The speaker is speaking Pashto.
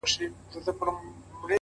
ما خو پخوا مـسـته شــاعـــري كول؛